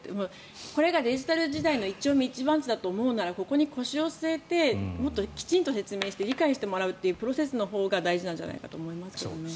これがデジタル時代の一丁目一番地だと思うならここに腰を据えてもっときちんと説明をして理解してもらうというプロセスのほうが大事だと思います。